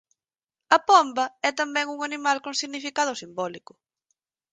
A pomba é tamén un animal con significado simbólico.